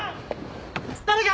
誰か！